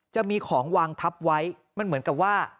จะมีของวางทับไว้มันเหมือนกับว่า